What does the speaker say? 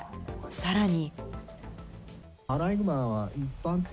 さらに。